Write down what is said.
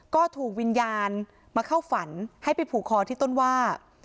ก็ถูกวิญญาณมาเข้าฝันให้ไปผูกคอที่ต้นว่า